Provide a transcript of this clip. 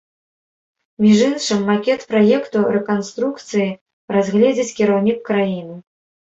Між іншым, макет праекту рэканструкцыі разгледзіць кіраўнік краіны.